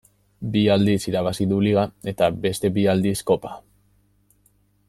Bi aldiz irabazi du liga eta beste bi aldiz kopa.